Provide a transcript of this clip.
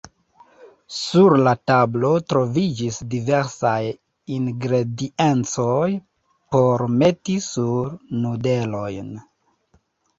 Sur la tablo troviĝis diversaj ingrediencoj por meti sur nudelojn.